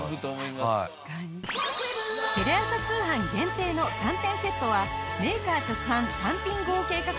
テレ朝通販限定の３点セットはメーカー直販単品合計価格